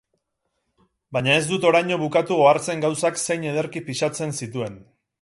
Baina ez dut oraino bukatu ohartzen gauzak zein ederki pisatzen zituen.